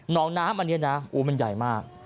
น้องน้ำอันนี้นะมันใหญ่มาก